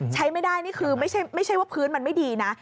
ใช้ไม่ได้นี่คือไม่ใช่ว่าพื้นมันไม่ดีนะ